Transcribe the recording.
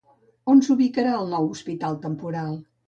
On s'ubicarà el nou hospital temporal?